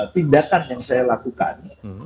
tindakan yang saya lakukan